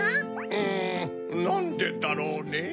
うんなんでだろうねぇ？